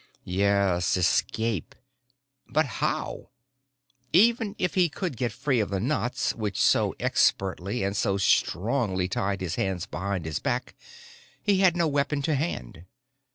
Yes, escape. But how? Even if he could get free of the knots which so expertly and so strongly tied his hands behind his back, he had no weapon to hand.